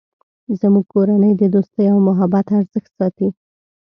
زموږ کورنۍ د دوستۍ او محبت ارزښت ساتی